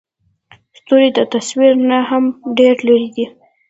ستوري د تصور نه هم ډېر لرې دي.